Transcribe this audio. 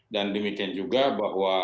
dan demikian juga bahwa